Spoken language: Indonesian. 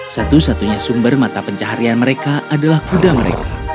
satu satunya sumber mata pencaharian mereka adalah kuda mereka